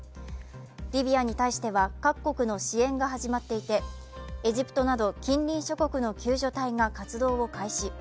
リビアに対しては各国の支援が始まっていて、エジプトなど近隣諸国の救助隊が活動を開始。